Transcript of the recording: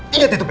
ingat ya tupai